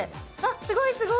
すごい、すごい。